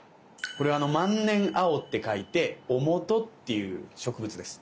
これは「万年青」って書いて「万年青」っていう植物です。